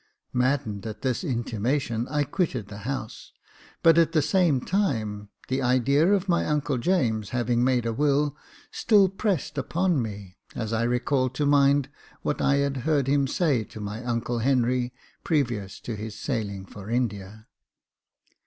Maddened at this intimation, I quitted the house; but at the same time the idea of my uncle James having made a will still pressed upon me, as I called to mind what I had heard him say to my uncle Henry previous to his sailing for India.